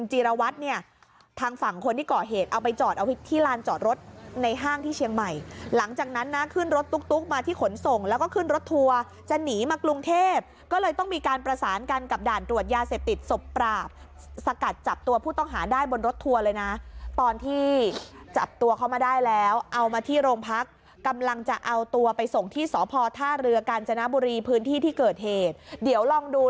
ใหม่หลังจากนั้นน่ะขึ้นรถตุ๊กตุ๊กมาที่ขนส่งแล้วก็ขึ้นรถทัวร์จะหนีมากรุงเทพก็เลยต้องมีการประสานกันกับด่านตรวจยาเสพติดสบปราบสกัดจับตัวผู้ต้องหาได้บนรถทัวร์เลยน่ะตอนที่จับตัวเข้ามาได้แล้วเอามาที่โรงพักกำลังจะเอาตัวไปส่งที่สอพอท่าเรือกาญจนบุรีพื้นที่ที่เกิดเหตุเดี๋ย